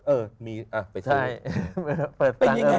เออเป็นยังไรพี่